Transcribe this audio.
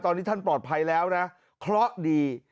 ตอนนี้ท่านปลอดภัยแล้วนะคล้อดี